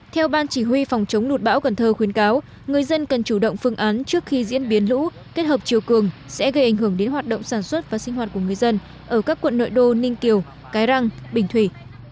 theo ban chỉ huy phòng chống lụt bão cần thơ khuyến cáo người dân cần chủ động phương án trước khi diễn biến lũ kết hợp chiều cường sẽ gây ảnh hưởng đến hoạt động sản xuất và sinh hoạt của người dân ở các quận nội đô ninh kiều cái răng bình thủy